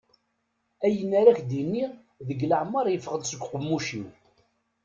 Ayen ara ak-d-iniɣ deg leɛmer yeffeɣ-d seg uqemmuc-iw.